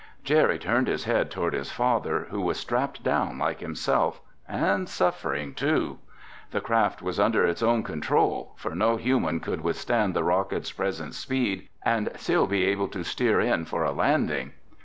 Jerry turned his head toward his father, who was strapped down like himself, and suffering too. The craft was under its own control, for no human could withstand the rocket's present speed and still be able to steer in for a landing.